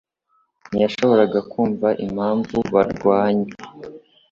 Ntiyashoboraga kumva impamvu barwanye.